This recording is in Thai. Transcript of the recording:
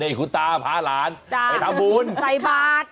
นี่คุณตาพาหลานไปทำบุญใส่บาท